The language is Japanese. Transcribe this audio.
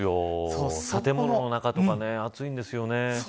建物の中とか暑いんですよね。